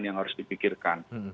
yang harus dipikirkan